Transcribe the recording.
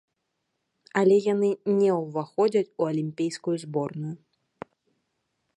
Але яны не ўваходзяць у алімпійскую зборную.